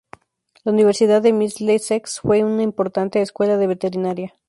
La Universidad de Middlesex fue una importante escuela de veterinaria.